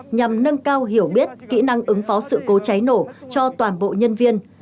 nhằm nâng cao hiểu biết kỹ năng ứng phó sự cố cháy nổ cho toàn bộ nhân viên